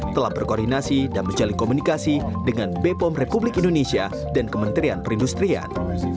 telah berkoordinasi dan menjalin komunikasi dengan bepom republik indonesia dan kementerian perindustrian